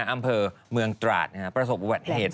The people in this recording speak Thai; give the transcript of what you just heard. อำเภอเมืองตราดประสบอุบัติเหตุ